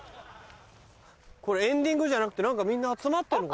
これエンディングじゃなくて何かみんな集まってんのかね？